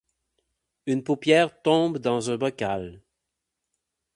Une paupière tombe dans un bocal.